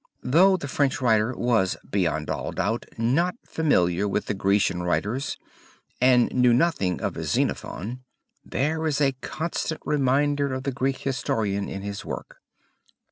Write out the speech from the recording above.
Though the French writer was beyond all doubt not familiar with the Grecian writers and knew nothing of Xenophon, there is a constant reminder of the Greek historian in his work.